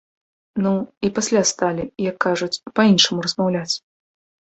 Ну, і пасля сталі, як кажуць, па-іншаму размаўляць.